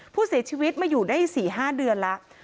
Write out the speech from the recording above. ผู้เสียชีวิตมาอยู่ได้๔๕เดือนแล้ว